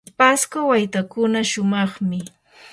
pasco waytakuna shumaqmi.